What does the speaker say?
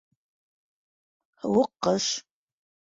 Һыуыҡ ҡыш